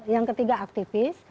yang ketiga aktivis